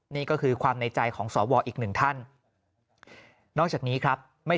นี่ก็คือความในใจของสวอีกหนึ่งท่านนอกจากนี้ครับไม่